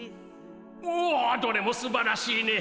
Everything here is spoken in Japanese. おおどれもすばらしいね。